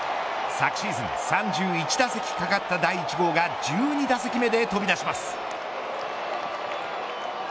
昨シーズン３１打席かかった第１号が１２打席目で飛び出します。